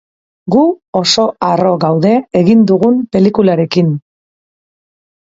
Gu oso harro gaude egin dugun pelikularekin.